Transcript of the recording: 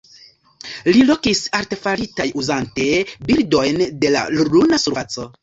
Li lokis artefaritaj uzante bildojn de la luna surfaco.